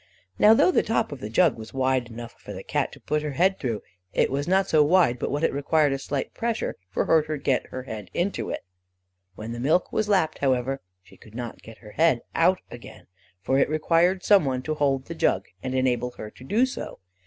Now, though the top of the jug was wide enough for the Cat to put her head through, it was not so wide but what it required a slight pressure for her to get her head into it. When the milk was lapped, however, she could not get her head out again, for it required some one to hold the jug, to enable her to do so.